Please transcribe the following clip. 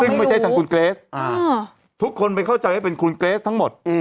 ซึ่งไม่ใช่ทางคุณเกรสทุกคนไปเข้าใจว่าเป็นคุณเกรสทั้งหมด